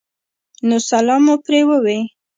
نو سلام مو پرې ووې